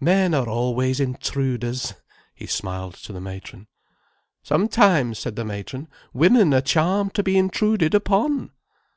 "Men are always intruders," he smiled to the matron. "Sometimes," said the matron, "women are charmed to be intruded upon."